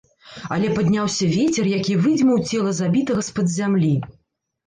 Але падняўся вецер, які выдзьмуў цела забітага з-пад зямлі.